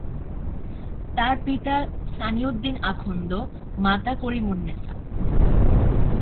তাঁর পিতা সানিউদ্দিন আখন্দ, মাতা করিমুন্নেছা।